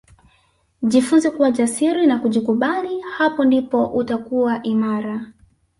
Jifunze kuwa jasiri na kujikubali hapo ndipo utakuwa imara